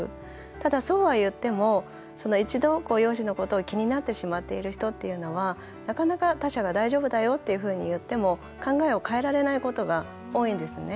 ただ、そうはいっても、一度容姿のことを気になってしまってる人というのはなかなか、他者が大丈夫だよって言っても考えを変えられないことが多いんですね。